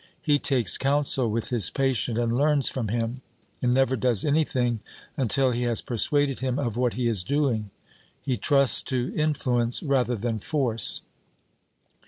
He takes counsel with his patient and learns from him, and never does anything until he has persuaded him of what he is doing. He trusts to influence rather than force.